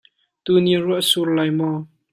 Tuni ruah a sur lai maw?